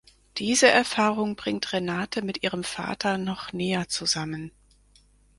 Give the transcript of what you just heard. Diese Erfahrung bringt Renate mit ihrem Vater noch näher zusammen.